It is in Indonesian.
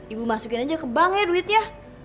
ibu masukin aja ke bank ya duitnya